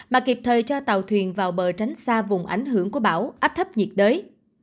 mà kịp thời cho tàu thuyền vào bờ tránh xa vùng ảnh hưởng của bão áp thấp nhiệt đới